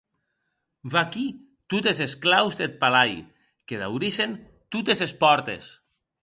Vaquí totes es claus deth palai, que daurissen totes es pòrtes.